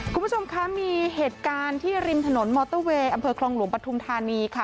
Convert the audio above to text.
คุณผู้ชมคะมีเหตุการณ์ที่ริมถนนมอเตอร์เวย์อำเภอคลองหลวงปฐุมธานีค่ะ